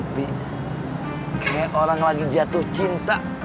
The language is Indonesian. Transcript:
tapi kayak orang lagi jatuh cinta